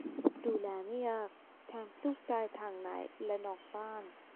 ดูแลไม่ยาก แถมปลูกได้ทั้งในและนอกบ้าน